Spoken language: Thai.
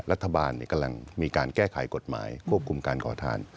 รัฐบาลกำลังมีการแก้ไขกฎหมายควบคุมการขอทาน